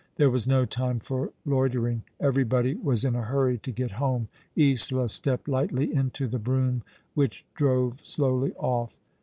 There was no time for loitering. Everybody was in a hurry to get home. Isola stepped lightly into the brougham, which drove slowly off.